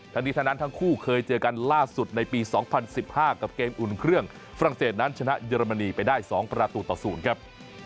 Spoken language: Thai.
ทั้งนี้ทั้งนั้นทั้งคู่เคยเจอกันล่าสุดในปี๒๐๑๕กับเกมอุ่นเครื่องฝรั่งเศสนั้นชนะเยอรมนีไปได้๒ประตูต่อ๐ครับ